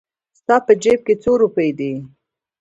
ستا په جېب کې څو روپۍ دي؟